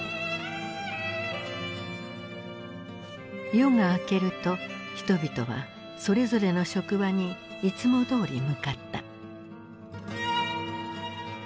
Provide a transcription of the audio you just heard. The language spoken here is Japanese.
夜が明けると人々はそれぞれの職場にいつもどおり向かった。